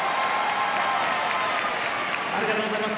ありがとうございます。